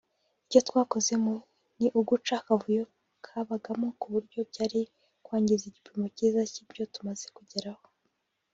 Icyo twakoze ni uguca akavuyo kabagamo ku buryo byari kwangiza igipimo cyiza cy’ibyo tumaze kugeraho